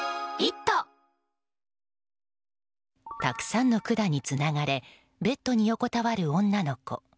たくさんの管につながれベッドに横たわる女の子。